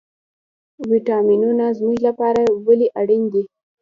ویټامینونه زموږ لپاره ولې اړین دي